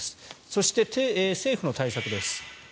そして、政府の対策です。